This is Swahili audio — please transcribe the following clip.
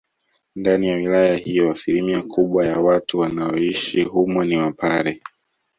Ndani ya wilaya hiyo asilimia kubwa ya watu wanaoishi humo ni wapare